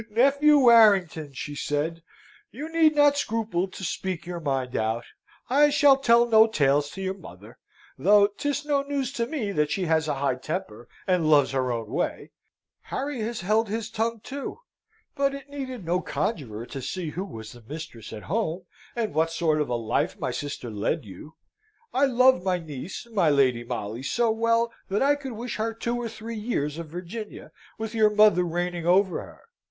"He, he! nephew Warrington!" she said, "you need not scruple to speak your mind out. I shall tell no tales to your mother: though 'tis no news to me that she has a high temper, and loves her own way. Harry has held his tongue, too; but it needed no conjurer to see who was the mistress at home, and what sort of a life my sister led you. I love my niece, my Lady Molly, so well, that I could wish her two or three years of Virginia, with your mother reigning over her.